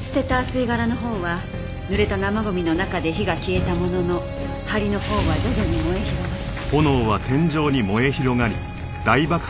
捨てた吸い殻のほうは濡れた生ゴミの中で火が消えたものの梁のほうは徐々に燃え広がって。